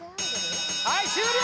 はい終了